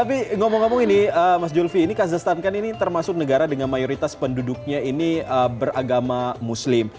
tapi ngomong ngomong ini mas zulfi ini kazahstan kan ini termasuk negara dengan mayoritas penduduknya ini beragama muslim